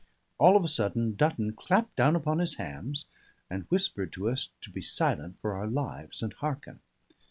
All of a sudden Dutton clapped down upon his hams, and whispered us to be silent for our lives, and hearken.